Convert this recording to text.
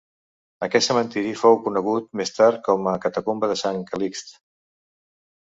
Aquest cementiri fou conegut més tard com a catacumba de Sant Calixt.